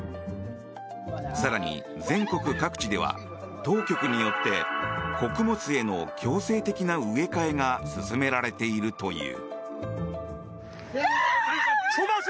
更に、全国各地では当局によって穀物への強制的な植え替えが進められているという。